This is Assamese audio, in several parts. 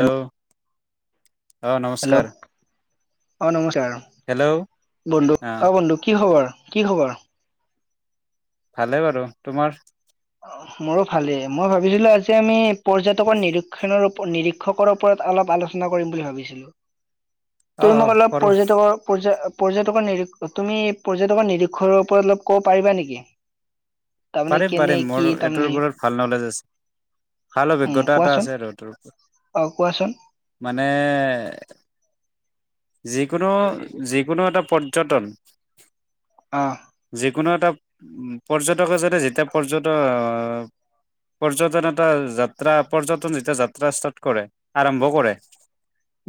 হেল্ল' অ হেল্ল' নমস্কাৰ অ নমস্কাৰ হেল্ল' অ বন্ধু, অ বন্ধু কি খবৰ? কি খবৰ? ভালে বাৰু তোমাৰ? মোৰো ভালেই মই ভাবিছিলো আজি আমি? পৰ্যটকৰ নিৰীক্ষণৰপ নিৰীক্ষকৰ ওপৰত অলপ আলোচনা কৰিম বুলি ভাবিছিলো। অ তুমি অ মোক অলপ কৰো পৰ্যটকৰ পৰ্য পৰ্যটকৰ নিৰী তুমি পৰ্যটকৰ নিৰক্ষৰ ওপৰত অলপ ক'ব পাৰিবা নেকি? তাৰমানে পাৰিম পাৰিম কেনেই? মোৰ এইটোৰ ওপৰত ভাল নলেজ আছে, ভাল উম অভিজ্ঞতা এটা কোৱাচোন আছে আৰু এইটোৰ ওপৰত অ কোৱাচোন মানে? যিকোনো যিকোনো এটা পৰ্যটন অ যিকোনো এটা উ পৰ্যটকে যেনে যেতিয়া পৰ্যটন পৰ্যটন এটা যাত্ৰা পৰ্যটন যেতিয়া যাত্ৰা ষ্টাৰ্ট কৰে আৰম্ভ কৰে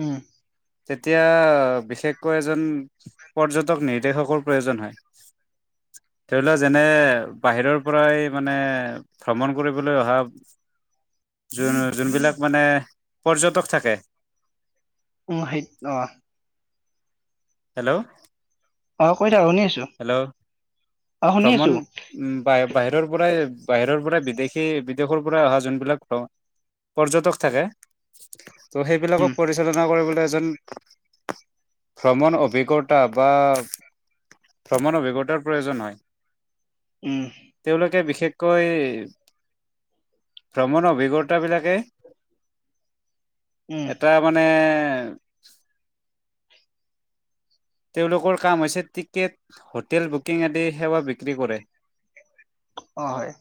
উম তিয় অ বিশেষকৈ এজন পৰ্যটক নিৰ্দেশকৰ প্ৰয়োজন হয়, ধৰি লও যেনে বাহিৰৰ পৰাই মানে ভ্ৰমণ কৰিবলৈ অহা যোন যোনবিলাক মানে পৰ্যটক থাকে উ সিত অ হেল্ল' অ, কৈ? শুনি হেল্ল' আছো অ শুনি ভ্ৰমণ উ বাহিৰৰ পৰাই বাহিৰৰ পৰা বিদেশী বিদেশৰ পৰা অহা যোনবিলাক পৰ্যটক থাকে ত' সেইবিলাকক পৰিচালনা কৰিব। এজন ভ্ৰমণ অভিজ্ঞতা বা ভ্ৰমণ অভিজ্ঞতাৰ প্ৰয়োজন হয়। উম তেওঁলোকে বিশেষকৈ? ভ্ৰমণৰ অভিজ্ঞতাবিলাকে উম এটা মানে উম তেওঁলোকৰ কাম হৈছে টিকেট হোটেল বুকিং আদি সেৱা বিক্ৰী কৰে। অ, হয়।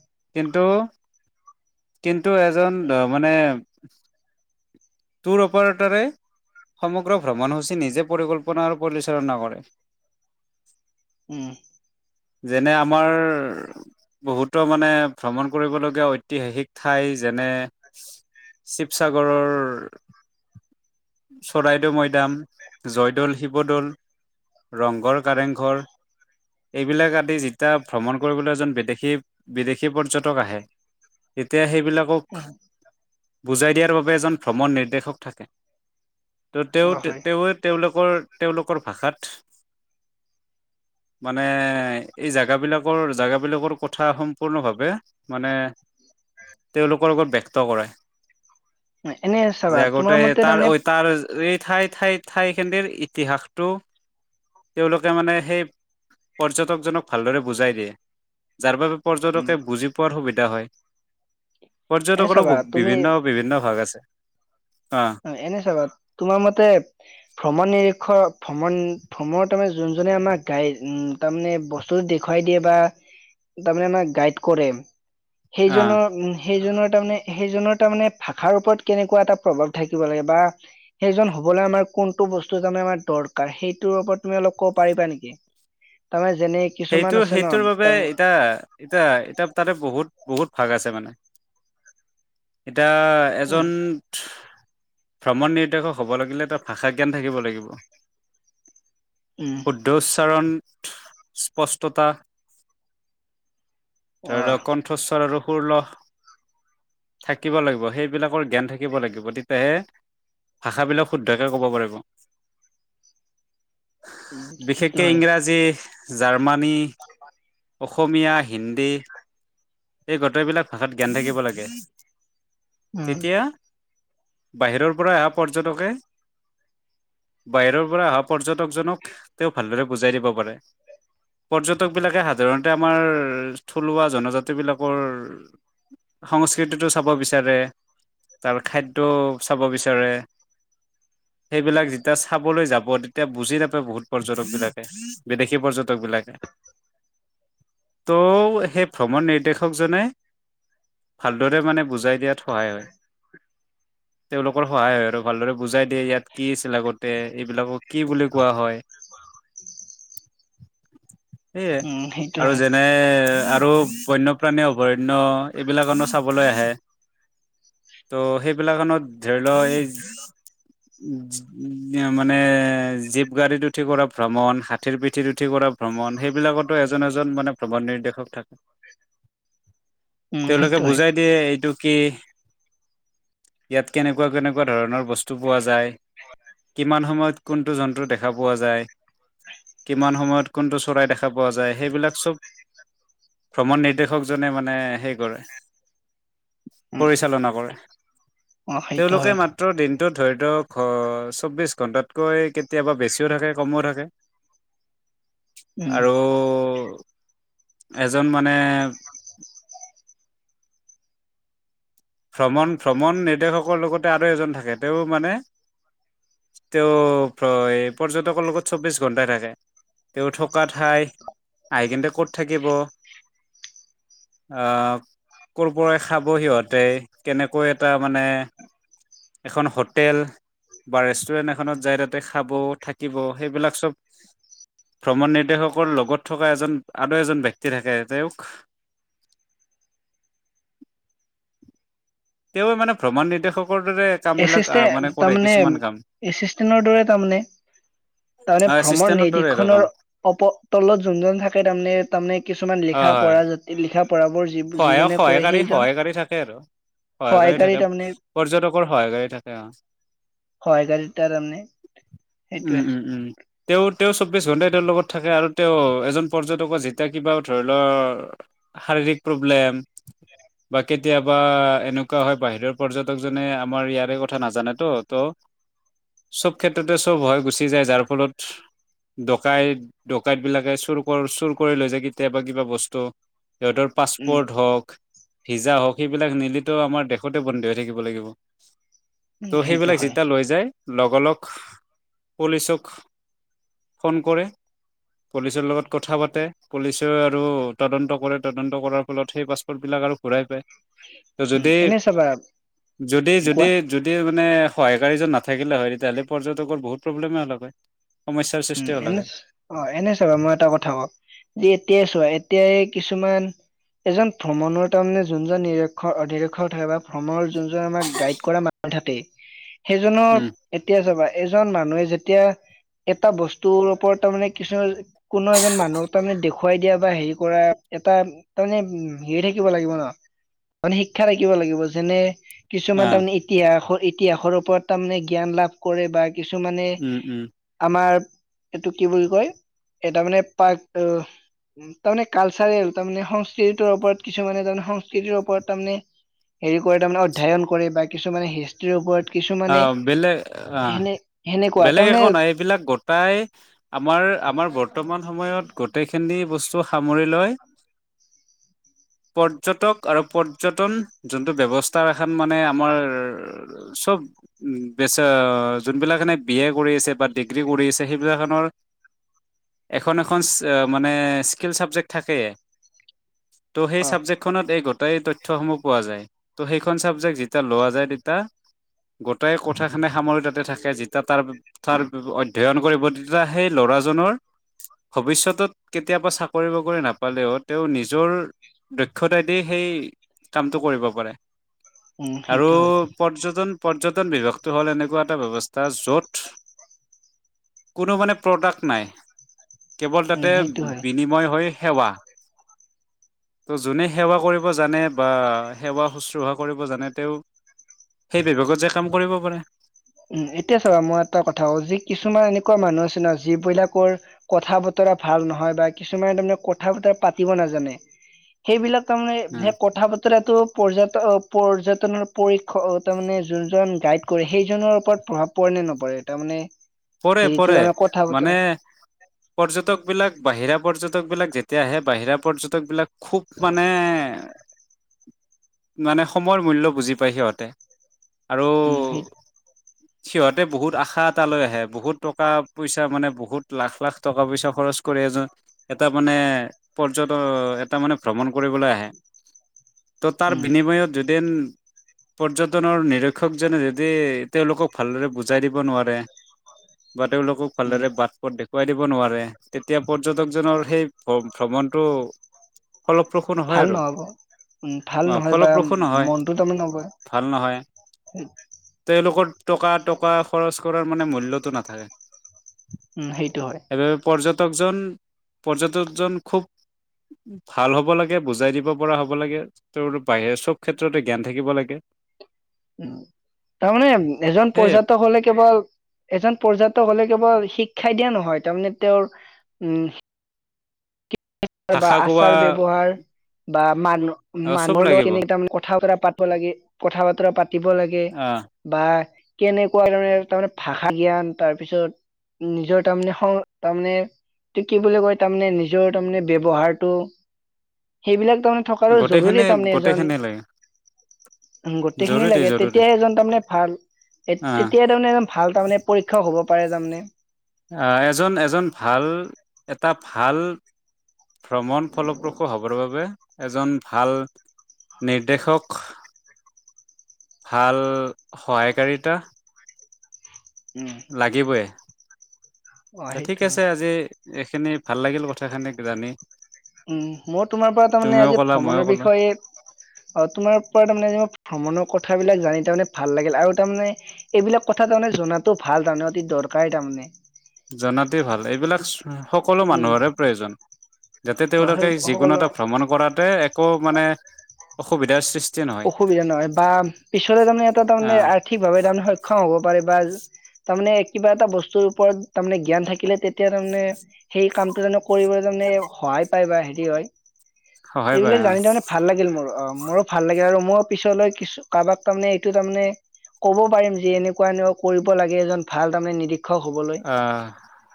কিন্তু, এজন মানে টোৰ অপাৰেটৰে সমগ্ৰ ভ্ৰমণসূচী নিজে পৰিকল্পনা আৰু [unintelligible] কৰে। উম যেনে আমাৰ বহুতো মানে ভ্ৰমণ কৰিবলগীয়া ঐতিহাসিক ঠাই যেনে, শিৱসাগৰৰ চৰাইদেউ মৈদাম, জয়দৌল, শিৱদৌল, ৰংঘৰ, কাৰেংঘৰ এইবিলাক আদি যেতিয়া ভ্ৰমণ কৰিবলৈ এজন বিদেশী বিদেশী পৰ্যটক আহে তেতিয়া সেই বিলাকক উম বুজাই দিয়াৰ বাবে এজন ভ্ৰমণ নিৰ্দেশক থাকে। তেওঁ, অ ত, হয় তেওঁৱে, তেওঁলোকক [unintelligible] তেওঁলোক ভাষাত মানে এই জাগাবিলাকৰ জাগাবিলাকৰ কথা সম্পূৰ্ণভাৱে মানে তেওঁলোকৰ লগত ব্যক্ত কৰায়। এনে চাবা তোমাৰ মতে তাৰমানে ঐ তাৰ এই ঠাই ঠাই ঠাই খেনিৰ ইতিহাস টো, তেওঁলোকে মানে সেই পৰ্যটকজনক ভালদৰে বুজাই দিয়ে, যাৰ বাবে উম, পৰ্যটকে বুজি পোৱাৰ সুবিধা হয় এনে পৰ্যটকৰো চাবা তুমি বিভিন্ন, বিভিন্ন ভাগ আছে। অ এনে চাবা তোমাৰ মতে ভ্ৰমণ নিৰিক্ষ ভ্ৰমণ, ভ্ৰমণ তাৰে যোনজনে আমাক গাই উ তাৰমানে বস্তু দেখুৱাই দিয়ে বা তাৰমানে আমাক গাইড কৰে। অ সেইজনৰ উ সেইজনৰ তাৰমানে সেইজনৰ তাৰমানে ভাষাৰ ওপৰত কেনেকুৱা এটা প্ৰভাৱ থাকিব লাগে বা সেইজন হবলৈ আমাৰ কোনটো বস্তু তাৰমানে আমাৰ দৰকাৰ সেইটোৰ ওপৰত তুমি অলপ ক'ব পাৰিবা নেকি তাৰমানে যেনে কিছুমান সেইটো আছে ন সেইটোৰ বাবে তাৰ এতিয়া এতিয়া এতিয়া তাতে বহুত বহুত ভাগ আছে মানে এতিয়া উম, এজন ভ্ৰমণ নিৰ্দেশক হ'ব লাগিলে ত ভাষা জ্ঞান থাকিব লাগিব। উম, শুদ্ধ উচ্চাৰণ [unintelligible] স্পষ্টতা। অ', [unintelligible] কণ্ঠস্বৰ আৰু সুৰ ল থাকিব লাগিব। সেইবিলাকৰ জ্ঞান থাকিব লাগিব, তেতিয়াহে ভাষাবিলাক শুদ্ধকে ক'ব পাৰিব। উম, সেইটো বিশেষকে হয় ইংৰাজী জাৰ মানি অসমীয়া। হিন্দী। এই গোতেই বিলাক ভাষাত জ্ঞান থাকিব লাগে। উম, তেতিয়া? বাহিৰৰ পৰা অহা পৰ্যটকে বাহিৰৰ পৰা অহা পৰ্যটক তকজনক তেওঁ ভালদৰে, বুজাই দিব পাৰে, পৰ্যটকবিলাকে হাত, সাধাৰণতে আমাৰ থলুৱা -জনজাতিবিলাকৰ সংস্কৃতিটো চাব বিচাৰে, তাৰ খাদ্য চাব বিচাৰে সেইবিলাক যেতিয়া চাবলৈ যাব, তেতিয়া বুজি নাপায় বহুত পৰ্যটকবিলাকে বিদেশী পৰ্যটকবিলাকে। ত' সেই ভ্ৰমণ নিৰ্দেশকজনে ভালদৰে মানে বুজাই দিয়াত সহায় হয়। তেওঁলোকৰ সহায় হয় আৰু ভালদৰে বুজাই দিয়ে ইয়াত কি আছিল আগতে এইবিলাকক কি বুলি কোৱা হয়। সেইয়ে। উম, সেইটো আৰু হয় যেনে, আৰু বনপ্ৰাণী অভয়াৰণ্য এইবিলাকনো চাবলৈ আহে ত' সেইবিলাখনত, লয়জ, মানে জীপ গাড়ীত উঠি কৰা ভ্ৰমণ হাতীৰ পিঠিত উঠি কৰা ভ্ৰমণ সেইবিলাকত, ত'এজন - এজন মানে ভ্ৰমণ নিৰ্দেশক থাকে। উম, তেওঁলোকে সেইটো হয় বুজাই দিয়ে এইটো কি, ইয়াত কেনেকুৱা- কেনেকুৱা ধৰণৰ বস্তু পোৱা যায়। কিমান সময়ত কোনটো জন্তু দেখা পোৱা যায়, কিমান সময়ত কোনটো চৰাই দেখাব, পোৱা যায় সেইবিলাক চব ভ্ৰমণ নিৰ্দেশকজনে মানে সেই কৰে। উম। পৰিচালনা কৰে। অ সেইটো তেওঁলোকে হয় মাত্ৰ দিনটোত ধৰি, তো '- ঘৰচ 'চৌব্বিশ- ঘন্টাতকৈ কেতিয়াবা বেছিও থাকে কমো থাকে। উম, আৰু এজন মানে, ভ্ৰমণ- ভ্ৰমণ নিৰ্দেশকৰ লগতে আৰু এজন থাকে তেওঁ মানে তেওঁ পৰ্যটকৰ লগত চব্বিশ ঘন্টাই থাকে। তেওঁ থকা ঠাই আহি কেনে ক'ত থাকিব আহ, কৰ পৰা খাব সিহঁতে, কেনেকৈ এটা মানে এখন হোটেল বা ৰেষ্টুৰেণ্ট এখনত যাই তাতে খাব, থাকিব, সেইবিলাক চব ভ্ৰমণ নিৰ্দেশকৰ লগত থকা এজন আৰু এজন ব্যক্তি থাকে তেওঁক, তেওঁৱে মানে ভ্ৰমণ নিদেশক, এচিষ্টে তাৰমানে, কাম এচিষ্টেণ্টৰ দৰে তাৰমানে। তাৰমানে আহ ভ্ৰমণ এচিষ্টেণ্টৰ দৰে আৰু কাম নিৰ্দক্ষনৰ অপ- তলত যোনজন থাকে তাৰমানে- তাৰমানে, কিছুমান লিখা হয় হয় পৰা জাতি লিখা, পঢ়াবোৰ যি সহায়ক- যিজনে কৰে সহায়কাৰী সেইজন -সহায়কাৰী থাকে আৰু সহায়কাৰী থাকে পৰ্যটকৰ। সহায়কাৰী থাকে অ ', সহায়কাৰী তাৰ তাৰমানে উম সেইটোৱে - উম -উম তেওঁ তেওঁৰ, চৌব্বিশ ঘন্টাই তেওঁৰ লগত থাকে আৰু তেওঁ এজন পৰ্যটকৰ যেতিয়া কিবা ধৰি লও শাৰীৰিক প্ৰব্লেম বা কেতিয়াবা এনেকুৱা হয় বাহিৰৰ পৰ্যটকজনে আমাৰ ইয়াৰে কথা নাজানেতো ত' চব ক্ষেত্ৰতে চব হয় গুচি যায়, যাৰ ফলত ডকাইত -ডকাইতবিলাকে চুৰ -চুৰ কৰি লৈ যায় কেতিয়াবা কিবা বস্তু, সিহঁতৰ পাচ, উম পৰ্ট হক। ভিজা হওক সেইবিলাক নিলেটো আমাৰ দেশতে বন্দী হৈ থাকিব লাগিব। উম ত' সেইটো সেইবিলাক হয় যেতিয়া লৈ যায়, লগ -লগ পুলিচক ফোন কৰে, পুলিচৰ লগত কথা -পাতে পুলিচে আৰু তদন্ত কৰে তদন্ত কৰাৰ, ফলত সেই পাছপৰ্টবিলাক ঘূৰাই পায়। ত' উম যদি এনে চাবা -যদি - যদি কোৱা - যদি এই, মানে সহায়কাৰীজন নাথাকিলে হয় তেতিয়াহ'লে পৰ্যটকৰ বহুত প্ৰব্লেমে হলাক হয়। সমস্যাৰ উম সৃষ্টি হ'ল এনে হয় অ' এনে চাবা মই এটা কথা কওঁ যে এতিয়া চোৱা এতিয়া কিছুমান এজন ভ্ৰমণৰ তাৰমানে যোনজন নিৰক্ষৰ অধৰিক্ষক থাকে বা ভ্ৰমণৰ যোনজন আমাক গাইড কৰা মানুহ থাকে। সেইজনৰ উম এতিয়া চাবা। এজন মানুহে যেতিয়া এটা বস্তুৰ ওপৰত তাৰ তাৰমানে কিছু কোনো এজন মানুহক তাৰমানে দেখুৱাই দিয়া বা হেৰি কৰা এটা তাৰমানে হেৰি থাকিব লাগিব ন, মানে শিক্ষা থাকিব লাগিব যেনে কিছুমান অ তাৰমানে ইতিহাস ইতিহাসৰ ওপৰত তাৰমানে জ্ঞান লাভ কৰে বা কিছুমানে উম উম আমাৰ এইটো কি বুলি কয় এ তাৰমানে পাক তাৰমানে কালচাৰেল তাৰমানে সংস্কৃতিটোৰ ওপৰত কিছুমানে তাৰে সংস্কৃতিৰ ওপৰত তাৰমানে হেৰি কৰে তাৰমানে অধ্যয়ন কৰে বা কিছুমানে হিষ্ট্ৰীৰ ওপৰত। কিছুমানে অ' বেলেগ, অ' সেনে সেনেকুৱা বেলেগে তাৰমানে একো নাই। এইবিলাক গটাই আমাৰ আমাৰ বৰ্তমান সময়ত গোটেইখিনি। বস্তু সামৰি লয়। পৰ্যটক আৰু পৰ্যটন যোনটো ব্যৱস্থা এখন মানে আমাৰ চব যোনবিলাক এনে বি এ কৰি আছে বা ডিগ্ৰী কৰি আছে সেইবিলাকখনৰ এখন এখন মানে স্কিল চাবজেক্ট থাকেই। ত' সেই অ চাবজেকখনত এই গোট গোটাই তথ্যসমূহ পোৱা যায় ত' সেইখন চাবজেক্ট যেতিয়া লোৱা যায় তেতিয়া গোটাই কথাখিনি সামৰি তাতে থাকে যেতিয়া তাৰ তাৰ অধ্যয়ন কৰিব তেতিয়া সেই ল'ৰাজনৰ ভৱিষ্যতত কেতিয়াবা চাকৰি বাকৰি নাপালেও তেওঁ নিজৰ দক্ষতা দি সেই কামটো কৰিব পাৰে। উম আৰু সেইটো হয় পৰ্যটন পৰ্যটন বিভাগটো হ'ল এনেকুৱা এটা ব্যৱস্থা য'ত কোনো মানে প্ৰডাক্ট নাই। কেৱল তাতে উম সেইটো হয় বিনিময় হয়। সেৱা ত' যোনে সেৱা কৰিব জানে বা সেৱা শুশ্ৰূষা কৰিব জানে তেওঁ সেই বিভাগত যে কাম কৰিব পাৰে। উম এতিয়া চাবা মই এটা কথা ক যে কিছুমান এনেকুৱা মানুহ আছে ন যিবিলাকৰ কথা বতৰা ভাল নহয় বা কিছুমানে তাৰমানে কথা বতৰা পাতিব নাজানে সেইবিলাক তাৰমানে উম, সেই কথা বতৰাটো পৰ্যাপ পৰ্যটনৰ পৰীক্ষক তাৰ মানে যোনজন গাইড কৰে সেই জনৰ ওপৰত প্ৰভাৱ পৰে নে নপৰে তাৰ মানে পৰে পৰে মানে পৰ্যটক বিলাক বাহিৰা পৰ্যটক বিলাক যেতিয়া আহে বাহিৰা পৰ্যটক বিলাক খুব মানে। মানে সময়ৰ মূল্য বুজি পায় সিহঁতে। আৰু উম সেই সিহঁতে বহুত আশা এটা লৈ আহে বহুত টকা পইচা মানে বহুত লাখ লাখ টকা পইচা খৰচ কৰি এজন এটা মানে পৰ্যট এটা মানে ভ্ৰমণ কৰিবলৈ আহে তো' তাৰ উম বিনিময়ত যদি পৰ্যটনৰ নিৰীক্ষকজনে যদি তেওঁলোকক ভালদৰে বুজাই দিব নোৱাৰে বা তেওঁলোকক উম ভালদৰে বাট পথ দেখুৱা শুৱাই দিব নোৱাৰে তেতিয়া পৰ্যটকজনৰ সেই ভ্ৰমণটো ফলপ্ৰসূ নহয় ভাল আৰু নহব উ ভাল নহয় বা ফলপ্ৰসূ নহয় মনটো তো নবহে নহয় লোক টকা টকা খৰচ কৰাৰ মানে মূলতটো নাথাকে উম সেইটো হয় পৰ্যটকজন পৰ্যটকজন খুব ভাল হ'ব লাগে বুজাই দিব পৰা হ'ব লাগে তেওঁ বাহি চব ক্ষেত্ৰতে জ্ঞান থাকিব লাগে উম তাৰমানে এজন সেই পৰ্যাটক হলে কেৱল এজন পৰ্যাটক হলে কেৱল শিক্ষাই দিয়া নহয় তাৰমানে তেওঁৰ উম এই বা ভাষা কোৱা আচাৰ ব্যৱ্হাৰ বা মানুহ অ চব মানুহৰ লগত লাগিব কেনে তানে কথা বতৰা পাতি লাগে কথা বতৰা পাতিব লাগে আহ বা কেনেকুৱা দৰে মানে তাৰমানে ভাষা জ্ঞান তাৰ পিছত নিজৰ তাৰমানে সংস্কৃ তাৰমানে এই কি বুলি কয় তাৰমানে নিজৰ তাৰমানে ব্যৱহাতো সেইবিলাক তো থকাৰো জৰুৰী গোটেইখিনি তাৰে এজন গোটেইখিনি লাগে গোটেইখিনি জৰুৰী লাগে জৰুৰী তেতিয়াই এজন তাৰমানে ভাল আহ তেতিয়াই তাৰমানে এজন ভাল তাৰমানে পৰীক্ষাও হ'ব পাৰে তাৰ মানে আহ এজন এজন ভাল এটা ভাল ভ্ৰমণ ফলপ্ৰসূ হ'বৰ বাবে এজন ভাল নিৰ্দেশক ভাল সহায়কাৰিতা উম, লাগিবই অ' এ ঠিক সেইটো আছে হয়। আজি এইখিনি ভাল লাগিল কথা খিনি জানি উম মই তোমাৰ পৰা তাৰ মানে তুমিও আজি ক'লা মইও ভ্ৰমণৰ ক'লো বিষয়ে অ তোমাৰ পৰা তাৰমানে আজি মই ভ্ৰমণৰ কথা কথাবিলাক জানি তাৰমানে ভাল লাগিল আৰু তাৰমানে এইবিলাক কথা তাৰমানে জনাতো ভাল তাৰমানে অতি দৰকাৰেই তাৰমানে জানাতো ভাল এইবিলাক সকলো উম, মানুহৰে প্ৰয়োজন যাতে অ' সেই তেওঁলোকে যিকোনো সকলো এটা ভ্ৰমণ কৰাতে একো মানে অসুবিধাৰ সৃষ্টি নহয় অসুবিধা নহয় বা পিছলে তাৰমানে এটা তাৰমানে আহ আৰ্থিকভাৱে তাৰমানে সক্ষম হ'ব পাৰে বা তাৰমানে কিবা এটা বস্তুৰ ওপৰত তাৰমানে জ্ঞান থাকিলে তেতিয়া তাৰমানে সেই কামটো জানো কৰিব তে সহায় পায় বা হেৰি হয় সহায় পায় এইবিলাক আহ জানি ত মানে ভাল লাগিল মোৰ অ মোৰো ভা ভাল লাগে আৰু মই পিছলৈ কিছু কাৰোবাক তাৰমানে এইটো তাৰমানে ক'ব পাৰিম যে এনেকুৱা এনেকুৱা কৰিব লাগে এজন ভাল তাৰমানে নিৰ্ [unintelligible] শিক্ষক হবলৈ আহ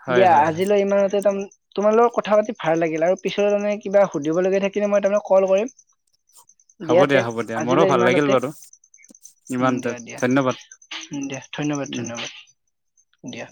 হয় দিয়া হয় হয় আজিলৈ ইমানতে তাৰ তোমালোকৰ কথা পাতি ভাল লাগিল আৰু পিছলৈ তানে কিবা সুধিব লগগীয়া থাকিলে মই তোমাক কল কৰিম হ'ব দিয়া তে হ'ব দিয়া মোৰো আজিলৈ ভাল লাগিল ইমানতে বাৰু ইমানতে দিয়া দিয়া ধন্যবাদ দিয়া ধন্যবাদ উম ধন্যবাদ দিয়া